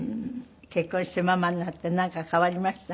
結婚してママになってなんか変わりました？